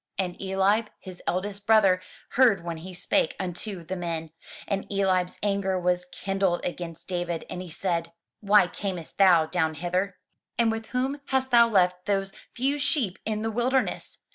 And Eliab his eldest brother heard when he spake unto the men; and Eliab's anger was kindled against David, and he said, *'Why camest thou down hither? And with whom hast thou left those few sheep in the wilderness?